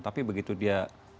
tapi begitu dia